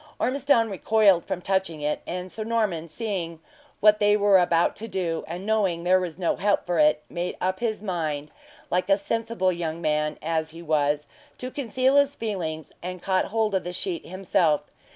Ormiston recoiled from touching it; and Sir Norman seeing what they were about to do, and knowing there was no help for it, made up his mind, like a sensible young man as he was, to conceal his feelings, and caught hold of the sheet himself.